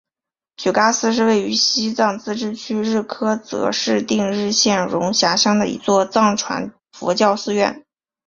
曲嘎寺是位于西藏自治区日喀则市定日县绒辖乡的一座藏传佛教寺院。